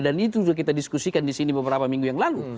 dan itu sudah kita diskusikan di sini beberapa minggu yang lalu